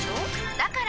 だから！